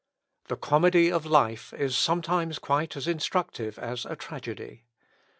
The comedy of life is sometimes quite as instructive as a tragedy.